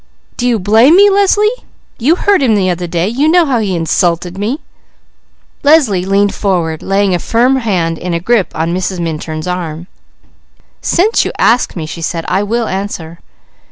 _ Do you blame me Leslie? You heard him the other day! You know how he insulted me!" Leslie leaned forward, laying a firm hand in a grip on Mrs. Minturn's arm. "Since you ask me," she said, "I will answer.